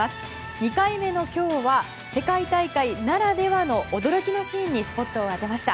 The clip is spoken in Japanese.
２回目の今日は世界大会ならではの驚きのシーンにスポットを当てました。